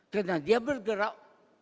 karena dia bergerak